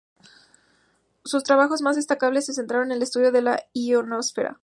Sus trabajos más destacables se centraron en el estudio de la ionosfera.